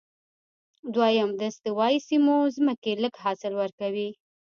دویم، د استوایي سیمو ځمکې لږ حاصل ورکوي.